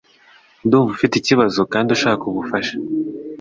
Ndumva ufite ikibazo kandi ushaka ubufasha.